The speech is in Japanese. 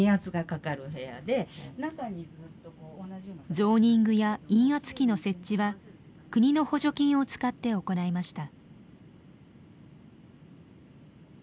ゾーニングや陰圧器の設置は国の補助金を使って行いました。